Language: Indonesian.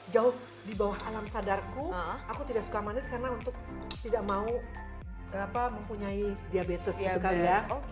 jauh di bawah alam sadarku aku tidak suka manis karena untuk tidak mau mempunyai diabetes gitu kali ya